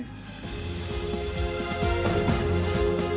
สวัสดีครับ